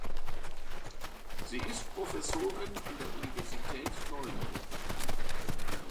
Sie ist Professorin an der Universität Neuenburg.